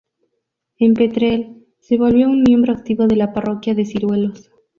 En Petrel, se volvió un miembro activo de la parroquia de Ciruelos.